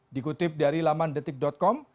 dikutip dari laman detik com